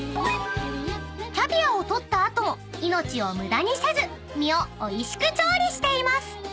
［キャビアを取った後命を無駄にせず身をおいしく調理しています］